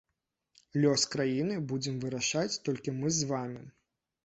Лёс краіны будзем вырашаць толькі мы з вамі.